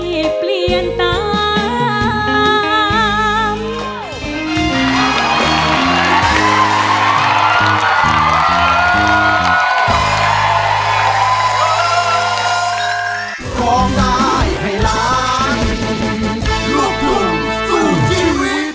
และพอสอเปลี่ยนปีเดือนจะเคลื่อนไปช่างพอสอมันเป็นไรแต่หัวใจฉันไม่เปลี่ยนตาม